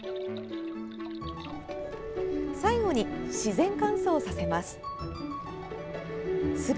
最後に自然乾燥させます。